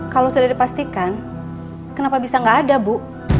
kalau sudah dipastikan kenapa bisa nggak ada bu